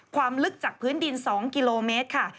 ความลึกจากพื้นดิน๒กิโลเมตรค่ะ